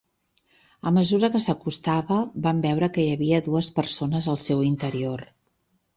A mesura que s'acostava, vam veure que hi havia dues persones al seu interior.